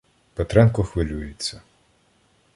Петренко хвилюється.